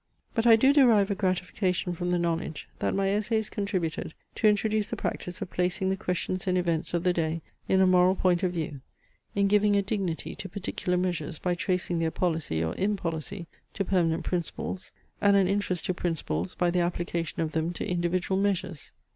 But I do derive a gratification from the knowledge, that my essays contributed to introduce the practice of placing the questions and events of the day in a moral point of view; in giving a dignity to particular measures by tracing their policy or impolicy to permanent principles, and an interest to principles by the application of them to individual measures.